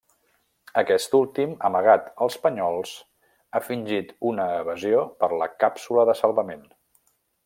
Aquest últim, amagat als panyols, ha fingit una evasió per la càpsula de salvament.